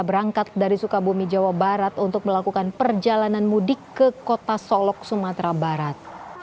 berangkat dari sukabumi jawa barat untuk melakukan perjalanan mudik ke kota solok sumatera barat